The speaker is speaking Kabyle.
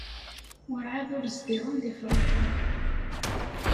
Werɛad ur zdiɣen deg Friḥa.